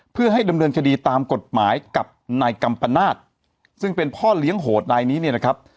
เพื่อให้ดำเนินคดีตามกฎหมายกับนายกัมปนาศซึ่งเป็นพ่อเลี้ยงโหดนายนี้เนี่ยนะครับ